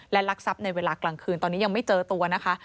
และลักทรัพย์ในเวลากลางคืนตอนนี้ยังไม่เจอตัวนะคะ